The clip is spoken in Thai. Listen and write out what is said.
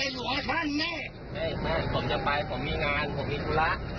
สวัสดีครับ